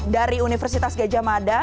dari universitas gajah mada